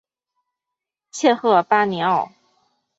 切赫巴尼奥。